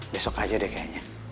besok aja deh kayaknya